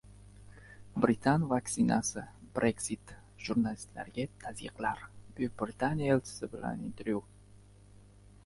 «Britan vaksinasi, Breksit, jurnalistlarga tаzyiqlar...» — Buyuk Britaniya elchisi bilan intervyu